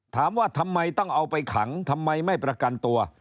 ถามว่าทำไมต้องเอาไปขังทำไมไม่ประกันตัว